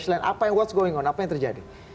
apa yang terjadi